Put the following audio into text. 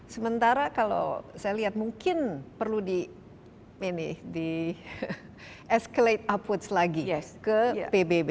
sementara kalau saya lihat mungkin perlu di escalate uppoach lagi ke pbb